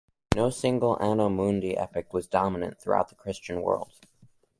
No single "Anno Mundi" epoch was dominant throughout the Christian world.